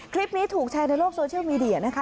คลิปนี้ถูกแชร์ในโลกโซเชียลมีเดียนะคะ